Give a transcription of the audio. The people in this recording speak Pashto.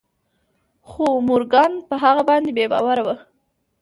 خو مورګان په هغه باندې بې باوره و